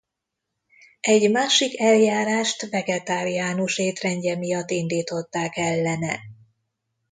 Egy másik eljárást vegetáriánus étrendje miatt indították ellene.